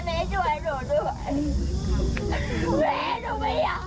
แม่แม่หนูอยากอยู่กับแม่มาก